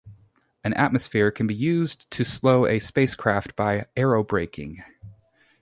An atmosphere can be used to slow a spacecraft by aerobraking.